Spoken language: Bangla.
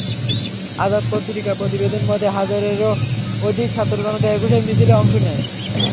আজাদ পত্রিকার প্রতিবেদন মতে হাজারেরও অধিক ছাত্র-জনতা একুশের মিছিলে অংশ নেয়।